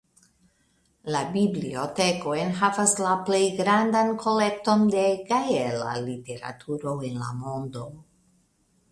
La biblioteko enhavas la plej grandan kolekton de gaela literaturo en la mondo.